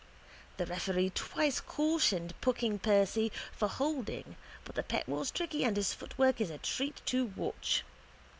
The referee twice cautioned Pucking Percy for holding but the pet was tricky and his footwork a treat to watch.